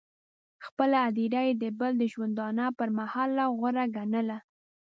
خپله هدیره یې د بل د ژوندانه پر محله غوره ګڼله.